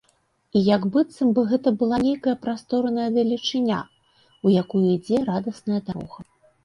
І як быццам бы гэта была нейкая прасторная далечыня, у якую ідзе радасная дарога.